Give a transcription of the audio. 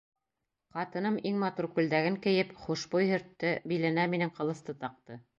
Ҡатыным, иң матур күлдәген кейеп, хушбуй һөрттө, биленә минең ҡылысты таҡты.